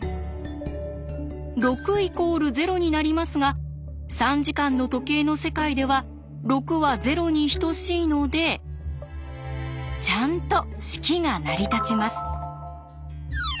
６＝０になりますが３時間の時計の世界では６は０に等しいのでちゃんと式が成り立ちます。